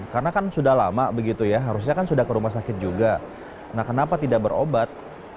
karena kan sudah lama begitu ya harusnya kan sudah ke rumah sakit juga nah kenapa tidak berobat